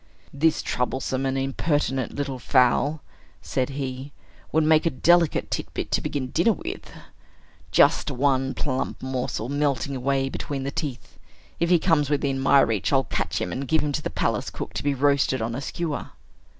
"This troublesome and impertinent little fowl," said he, "would make a delicate titbit to begin dinner with. Just one plump morsel, melting away between the teeth. If he comes within my reach, I'll catch him, and give him to the palace cook to be roasted on a skewer."